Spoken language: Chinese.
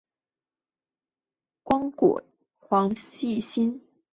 光果黄细心为紫茉莉科黄细心属下的一个种。